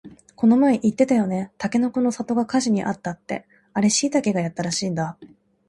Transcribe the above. この前言ってたよね、たけのこの里が火事にあったってあれしいたけがやったらしいんだ